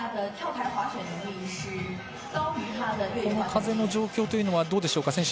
この風の状況というのはどうでしょうか。